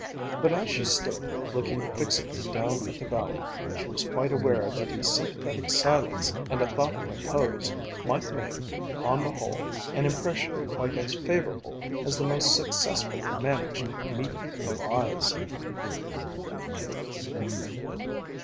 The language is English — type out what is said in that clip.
But as she stood, looking fixedly down at the valley, she was quite aware that a sympathetic silence and a thoughtful pose might make, on the whole, an impression quite as favorable as the most successfully managed meeting of eyes.